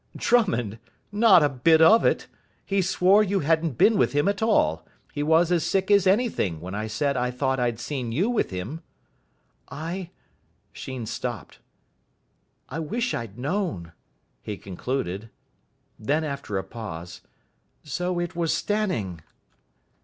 "Drummond! Not a bit of it. He swore you hadn't been with him at all. He was as sick as anything when I said I thought I'd seen you with him." "I " Sheen stopped. "I wish I'd known," he concluded. Then, after a pause, "So it was Stanning!"